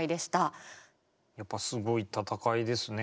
やっぱすごい戦いですね。